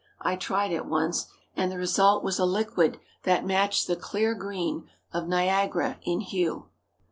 I tried it once, and the result was a liquid that matched the clear green of Niagara in hue.